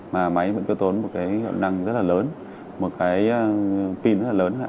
mà máy vẫn cứ tốn một cái hiệu năng rất là lớn một cái pin rất là lớn